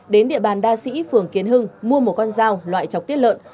đến địa bàn đa sĩ phường kiến hưng mua một con dao loại chọc tiết lợn